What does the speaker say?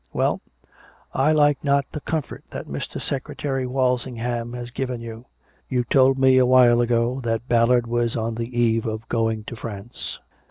" Well — I like not the comfort that Mr. Secretary Wal singham has given you. You told me a while ago that Bal lard was on the eve of going to France.